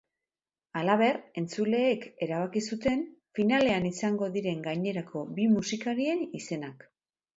Halaber, entzuleek erabaki zuten finalean izango diren gainerako bi musikarien izenak.